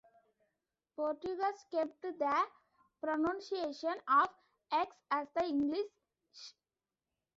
Portuguese kept the pronunciation of "x" as the English "sh".